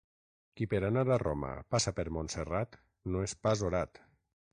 Qui per anar a Roma passa per Montserrat no és pas orat.